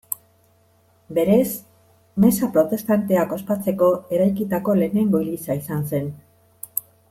Berez, meza protestanteak ospatzeko eraikitako lehenengo eliza izan zen.